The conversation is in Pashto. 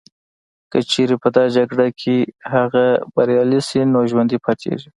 که چیري په دا جګړه کي هغه بریالي سي نو ژوندي پاتیږي